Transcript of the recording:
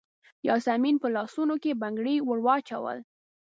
یاسمین به په لاسونو کې بنګړي وراچول.